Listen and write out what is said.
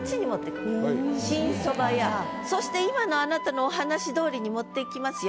そして今のあなたのお話通りに持っていきますよ。